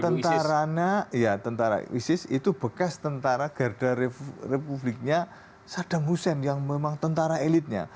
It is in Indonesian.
tentarana ya tentara isis itu bekas tentara garda republiknya sadang hussein yang memang tentara elitnya